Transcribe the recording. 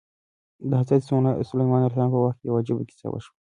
د حضرت سلیمان علیه السلام په وخت کې یوه عجیبه کیسه وشوه.